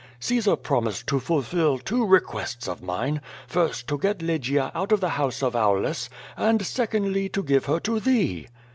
Caesar promised to fulfill two requests of mine, first, to get Lygia out of the house of Aulus, and, secondly, to give her to thee.